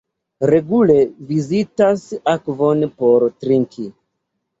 Regule vizitas akvon por trinki.